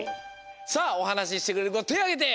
さあおはなししてくれるこてあげて！